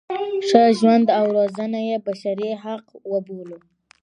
ښه ژوند او روزنه یې بشري حق وبولو.